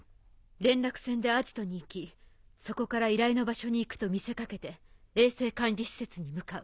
連絡船でアジトに行きそこから依頼の場所に行くと見せかけて衛星管理施設に向かう。